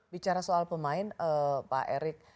bicara soal pemain pak erik